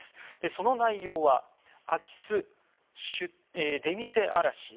その内容は空き巣、出店荒らし